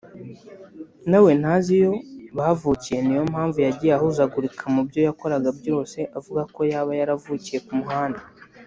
nawe ntazi iyo bavukiye niyo mpamvu yagiye ahuzagurika mubyo yakoraga byose bavugako yaba yaravukiye ku muhanda